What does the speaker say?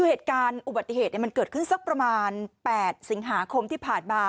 คือเหตุการณ์อุบัติเหตุมันเกิดขึ้นสักประมาณ๘สิงหาคมที่ผ่านมา